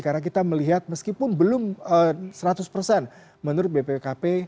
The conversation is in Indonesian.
karena kita melihat meskipun belum seratus menurut bpkp